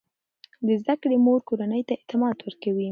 د زده کړې مور کورنۍ ته اعتماد ورکوي.